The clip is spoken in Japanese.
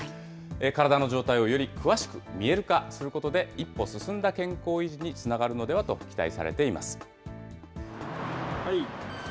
体の状態をより詳しく見える化することで、一歩進んだ健康維持につながるのではと期待されています。